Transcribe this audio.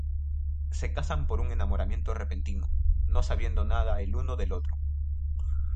Se casan por un enamoramiento repentino, no sabiendo nada el uno del otro.